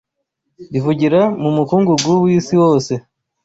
rivugira mu mukungugu w,isi wose